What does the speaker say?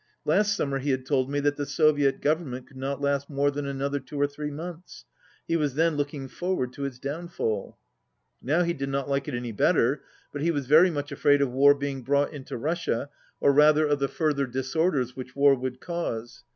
Last sum mer he had told me that the Soviet Government could not last more than another two or three months. He was then looking forward to its downfall. Now he did not like it any better, but he was very much afraid of war being brought into Russia, or rather of the further disorders which war would cause.